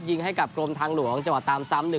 ยิงให้กับกรมทางหลวงจังหวะตามซ้ำ